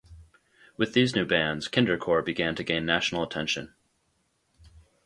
With these new bands, Kindercore began to gain national attention.